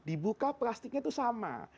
dibuka plastiknya itu sama